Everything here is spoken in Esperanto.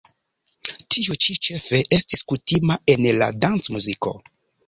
Tio ĉi ĉefe estis kutima en la dancmuziko.